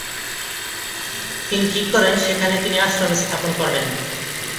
তিনি ঠিক করেন সেখানে তিনি আশ্রম স্থাপন করবেন।